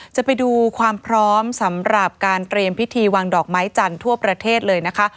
จะไปดูความพร้อมสำหรับการเตรียมพิธีวางดอกไม้จันทร์ทั่วประเทศเลยนะคะ